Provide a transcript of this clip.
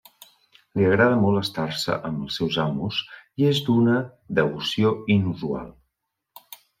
Li agrada molt estar-se amb els seus amos i és d'una devoció inusual.